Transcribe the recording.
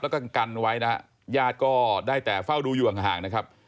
แล้วก็กันไว้นะฮะญาติก็ได้แต่เฝ้าดูอยู่ห่างนะครับ